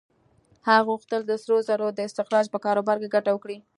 هغه غوښتل د سرو زرو د استخراج په کاروبار کې ګټه وکړي.